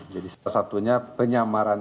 jadi salah satunya penyamaran